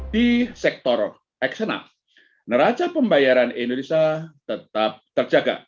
di sektor eksternal neraca pembayaran indonesia tetap terjaga